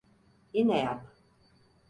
Yine yap.